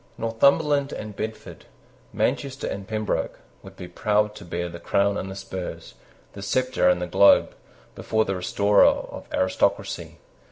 Northumberland and Bedford, Manchester and Pembroke, would be proud to bear the crown and the spurs, the sceptre and the globe, before the restorer of aristocracy.